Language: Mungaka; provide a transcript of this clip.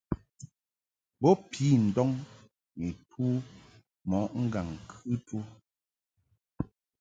Bo pi ndɔŋ ni tu mo ŋgaŋ-kɨtu.